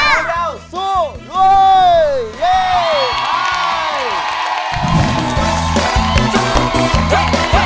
สวัสดีครับสู้รวย